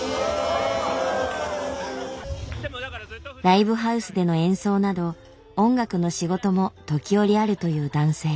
ライブハウスでの演奏など音楽の仕事も時折あるという男性。